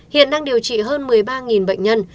hiện đang điều trị hơn một mươi ba bệnh nhân